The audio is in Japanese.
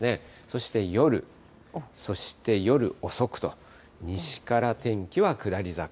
そして夜、そして夜遅くと、西から天気は下り坂。